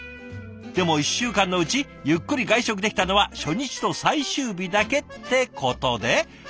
でも１週間のうちゆっくり外食できたのは初日と最終日だけ。ってことではいこちら。